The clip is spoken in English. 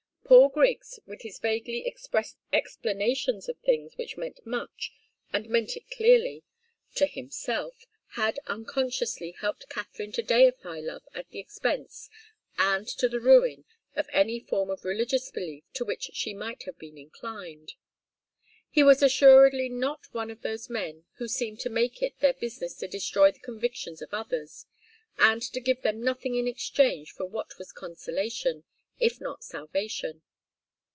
Paul Griggs, with his vaguely expressed explanations of things which meant much, and meant it clearly, to himself, had unconsciously helped Katharine to deify love at the expense, and to the ruin, of any form of religious belief to which she might have been inclined. He was assuredly not one of those men who seem to make it their business to destroy the convictions of others, and to give them nothing in exchange for what was consolation, if not salvation.